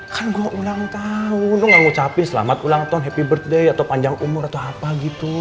kan gue ulang tahun lo nggak ngucapin selamat ulang tahun happy birthday atau panjang umur atau apa gitu